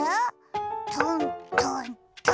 トントントーン。